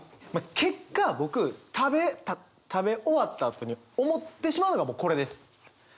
結果僕食べ終わったあとに思ってしまうのはこれです。